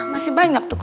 masih banyak tuh pak